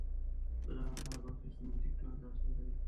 د زراعت هره برخه یو سیستماتيک پلان ته اړتیا لري.